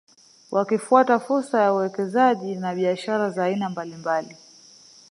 Wakifuata fursa za uwekezaji na biashara za aina mbalimbali